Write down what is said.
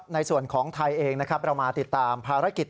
ในส่วนของไทยเองนะครับเรามาติดตามภารกิจ